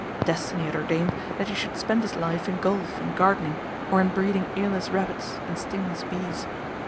Destiny had ordained that he should spend his life in golf and gardening, or in breeding earless rabbits and stingless bees.